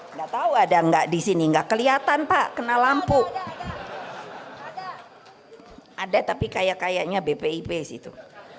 nggak tahu ada nggak di sini nggak kelihatan pak kena lampu ada tapi kayak kayaknya bpip situ